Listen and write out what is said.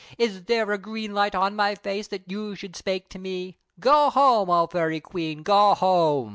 Is there a green light, on my face, That you should spake to me? Go home, O Fairy Queen, go home!